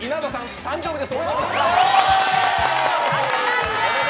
誕生日です！